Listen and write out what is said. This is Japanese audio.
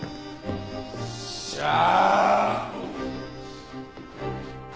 よっしゃー！